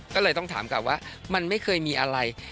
ก็เลยต้องถามกลับว่ามันไม่เคยมีอะไร